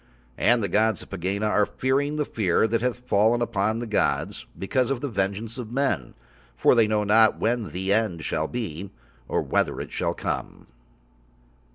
And the gods of Pegāna are fearing the fear that hath fallen upon the gods because of the vengeance of men, for They know not when The End shall be, or whether it shall come.